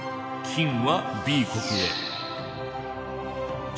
金はＣ国へ。